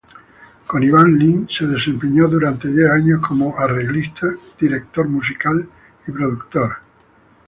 Con Iván Lins se desempeñó durante diez años como arreglista, director musical y productor.